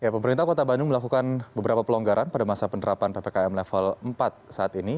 pemerintah kota bandung melakukan beberapa pelonggaran pada masa penerapan ppkm level empat saat ini